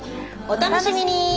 お楽しみに！